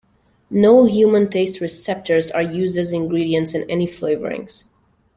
No human taste receptors are used as ingredients in any flavourings.